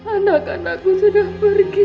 anak anakku sudah pergi